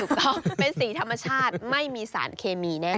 ต้องเป็นสีธรรมชาติไม่มีสารเคมีแน่น